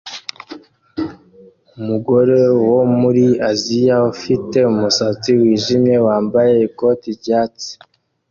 Umugore wo muri Aziya ufite umusatsi wijimye wambaye ikoti ryatsi